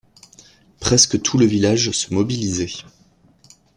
Presque tout le village se mobilisait.